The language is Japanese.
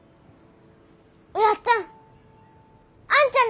おやっつぁんあんちゃん